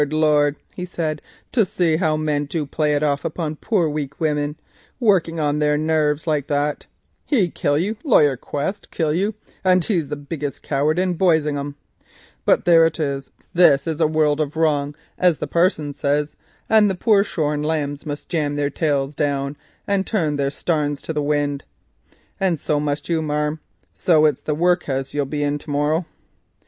Lord!" he said, "to see how men play it off upon poor weak women, working on their narves and that like. He kill you! Laryer Quest kill you, and he the biggest coward in Boisingham; but there it is. This is a world of wrong, as the parson says, and the poor shorn lambs must jamb their tails down and turn their backs to the wind, and so must you, marm. So it's the workhus you'll be in to morrow.